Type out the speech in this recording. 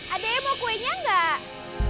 ada yang mau kuenya nggak